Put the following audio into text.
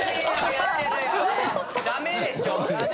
ダメでしょ。